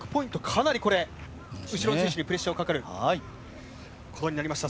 かなり、これ後ろの選手にプレッシャーかかることになりました。